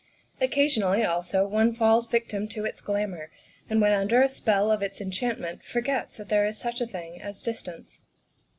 Occa sionally, also, one falls a victim to its glamour, and when under the spell of its enchantment forgets there is such a thing as distance.